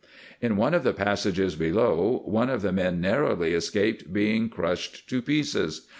In one of the passages below, one of the men narrowly escaped being crushed to pieces.